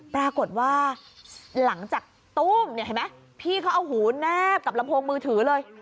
ปรากฏว่าหลังจากตุ้มพี่เขาเอาหูแนบกับระโพงมือถือเลย